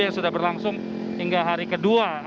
yang sudah berlangsung hingga hari kedua